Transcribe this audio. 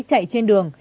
chạy trên đường